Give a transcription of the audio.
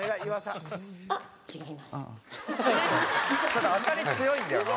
「ちょっと当たり強いんだよな」